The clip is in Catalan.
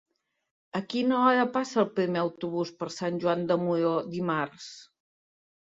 A quina hora passa el primer autobús per Sant Joan de Moró dimarts?